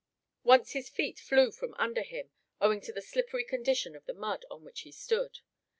Once his feet flew from under him, owing to the slippery condition of the mud on which he stood.